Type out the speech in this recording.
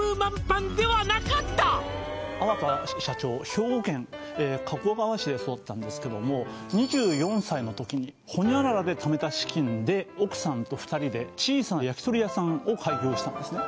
兵庫県加古川市で育ったんですけども２４歳の時に○○で貯めた資金で奥さんと２人で小さな焼鳥屋さんを開業したんですね